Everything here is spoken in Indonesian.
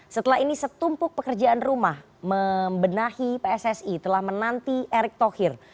setelah ini setumpuk pekerjaan rumah membenahi pssi telah menanti erick thohir